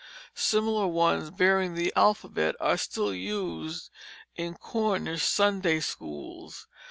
Similar ones bearing the alphabet are still used in Cornish Sunday schools.